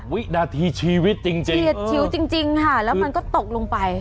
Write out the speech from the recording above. วินาทีชีวิตจริงเฉียดชิวจริงค่ะแล้วมันก็ตกลงไป